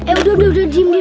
eh udah udah diam diam